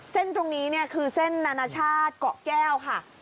เส้นตรงนี้เนี่ยคือเส้นนานาชาติเกาะแก้วค่ะ